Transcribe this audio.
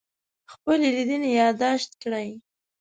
خپلې لیدنې یادداشت کړئ.